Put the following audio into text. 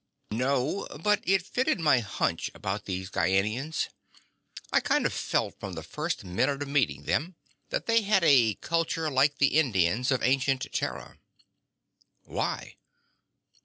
"No. But it fitted my hunch about these Gienahns. I'd kind of felt from the first minute of meeting them that they had a culture like the Indians of ancient Terra." "Why?"